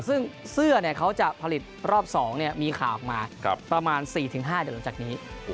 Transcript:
ซึ่งเสื้อเขาจะผลิตรอบ๒มีข่าวออกมาประมาณ๔๕เดี๋ยวหลังจากนี้